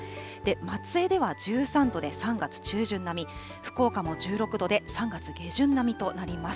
松江では１３度で３月中旬並み、福岡も１６度で３月下旬並みとなります。